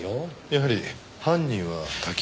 やはり犯人は瀧川だと？